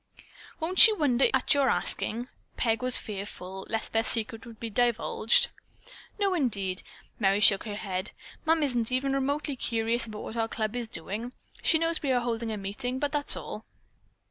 "Won't she wonder at your asking?" Peg was fearful lest their secret would be divulged. "No, indeed," Merry shook her head. "Mums isn't even remotely curious about what our club is doing. She knows we are holding a meeting, but that's all."